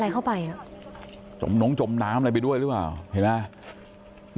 เข้าไปอ่ะจมน้องจมน้ำอะไรไปด้วยหรือเปล่าเห็นไหม